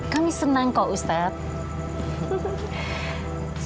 kami senang kok ustadz